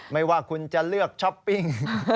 ไม่ว่าคุณจะเลือกช้อปปิ้ง